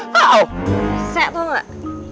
bersih tau gak